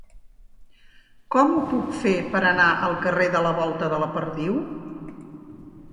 Com ho puc fer per anar al carrer de la Volta de la Perdiu?